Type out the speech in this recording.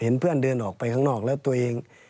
เพื่อนเดินออกไปข้างนอกแล้วตัวเอง